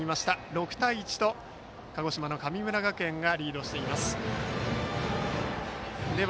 ６対１と鹿児島の神村学園がリードしています。